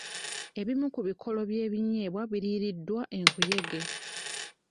Ebimu ku bikolo by'ebinyeebwa biriiriddwa enkuyege.